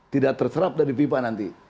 tidak terserap dari fifa nanti